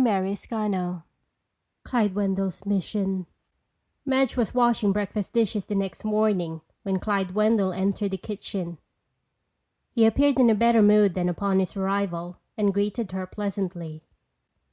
CHAPTER V Clyde Wendell's Mission Madge was washing breakfast dishes the next morning when Clyde Wendell entered the kitchen. He appeared in a better mood than upon his arrival and greeted her pleasantly.